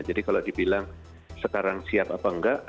jadi kalau dibilang sekarang siap apa enggak